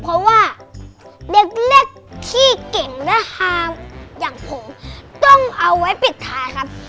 เพราะว่าเด็กเล็กที่เก่งและฮาอย่างผมต้องเอาไว้ปิดท้ายครับ